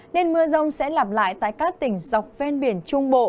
nên mưa rông sẽ lặp lại tại các tỉnh dọc ven biển trung bộ